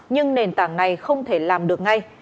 nhưng nền tảng này không thể làm được ngay